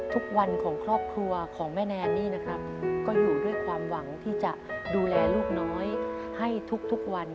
ทุกวันของครอบครัวของแม่แนนนี่นะครับก็อยู่ด้วยความหวังที่จะดูแลลูกน้อยให้ทุกวัน